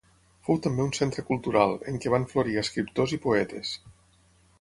Fou també un centre cultural, en què van florir escriptors i poetes.